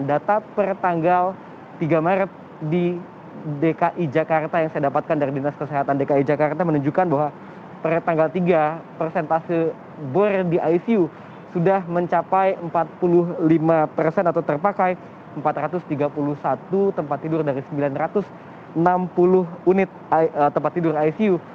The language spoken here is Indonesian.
data per tanggal tiga maret di dki jakarta yang saya dapatkan dari dinas kesehatan dki jakarta menunjukkan bahwa per tanggal tiga persentase bor di icu sudah mencapai empat puluh lima persen atau terpakai empat ratus tiga puluh satu tempat tidur dari sembilan ratus enam puluh unit tempat tidur icu